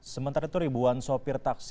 sementara itu ribuan sopir taksi